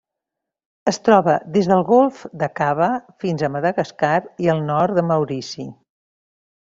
Es troba des del Golf d'Aqaba fins a Madagascar i el nord de Maurici.